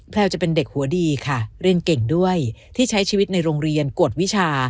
แววจะเป็นเด็กหัวดีค่ะเรียนเก่งด้วยที่ใช้ชีวิตในโรงเรียนกวดวิชา